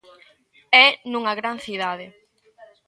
É nunha gran cidade.